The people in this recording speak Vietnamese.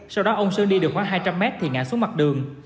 sau đó ông sơn đi được khoảng hai trăm linh m thì ngả xuống mặt đường